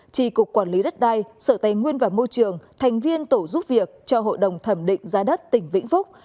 tri cục quản lý đất đai sở tài nguyên và môi trường thành viên tổ giúp việc cho hội đồng thẩm định giá đất tỉnh vĩnh phúc